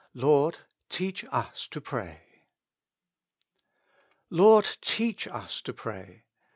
" Lord, teach us to pray." " Lord, teach us to pray."